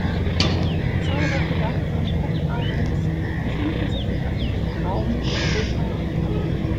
Zahlreiche Werke von Kurt Arentz befinden sich im öffentlichen Raum in Europa und Amerika.